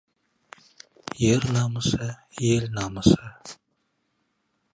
Ер намысы — ел намысы.